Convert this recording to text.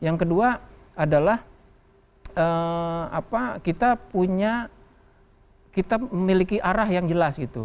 yang kedua adalah kita punya kita memiliki arah yang jelas gitu